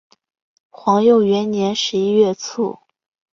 皇佑元年十一月卒。